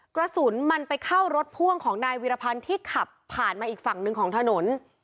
กระสุนมันไปเข้ารถพ่วงของนายวิรพันธ์ที่ขับผ่านมาอีกฝั่งหนึ่งของถนน